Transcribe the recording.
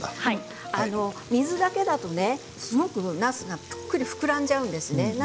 水だけだとすごくなすが膨らんじゃうんですね。